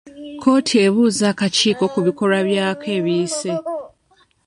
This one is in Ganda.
Kkooti ebuuza akakiiko ku bikolwa byako ebiyise.